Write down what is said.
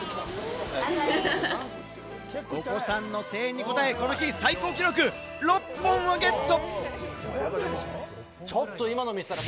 お子さんの声援に応え、この日最高記録６本をゲット！